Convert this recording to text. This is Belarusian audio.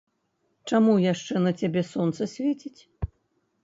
Чаму яшчэ на цябе сонца свеціць?